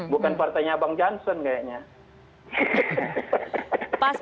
bukan partainya bang jansen kayaknya